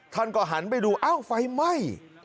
ท่านก็หันไปดูอ้าวไฟไหม้